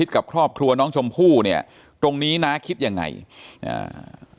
กับครอบครัวน้องชมพู่เนี่ยตรงนี้น้าคิดยังไงอ่า